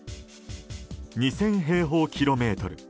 ２０００平方キロメートル。